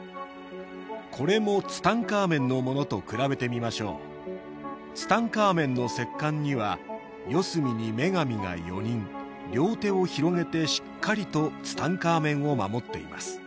これもツタンカーメンのものと比べてみましょうツタンカーメンの石棺には四隅に女神が４人両手を広げてしっかりとツタンカーメンを守っています